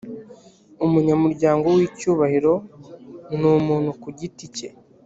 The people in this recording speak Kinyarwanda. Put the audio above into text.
umunyamuryango w icyubahiro ni umuntu ku giti cye